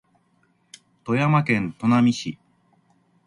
富山県砺波市